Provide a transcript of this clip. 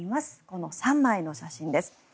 この３枚の写真です。